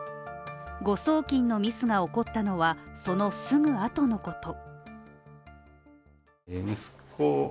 誤送金のミスが起こったのは、そのすぐ後のこと。